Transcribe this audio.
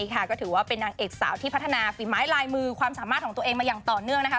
ก็ถือว่าเป็นนางเอกสาวที่พัฒนาฝีไม้ลายมือความสามารถของตัวเองมาอย่างต่อเนื่องนะคะ